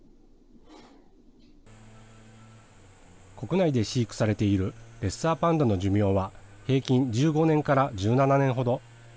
国内で飼育されているレッサーパンダの寿命は平均１５年から１７年ほど。